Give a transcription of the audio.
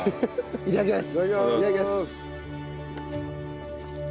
いただきます。